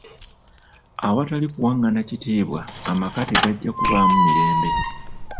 "Awatali kuwangana kitiibwa, amaka tegajja kubaamu mirembe."